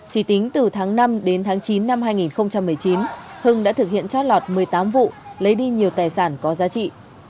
chỉ tính từ tháng năm đến tháng chín năm hai nghìn một mươi chín hưng đã thực hiện trót lọt một mươi tám vụ lấy đi nhiều tài sản có giá trị